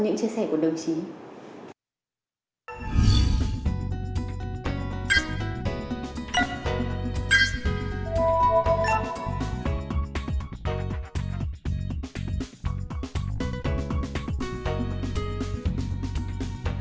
những chia sẻ của đồng chí